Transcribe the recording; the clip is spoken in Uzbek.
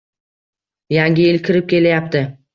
Yangi yil kirib kelayapti.